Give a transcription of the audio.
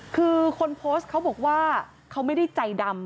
คือคนโพสต์เขาบอกว่าเขาไม่ได้ใจดำ